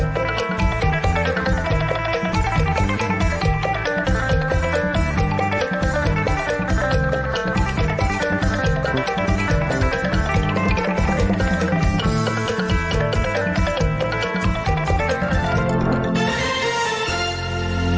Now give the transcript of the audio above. โปรดติดตามตอนต่อไป